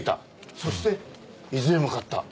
そして伊豆へ向かった。